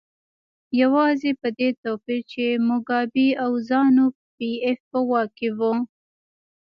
یوازې په دې توپیر چې موګابي او زانو پي ایف په واک کې وو.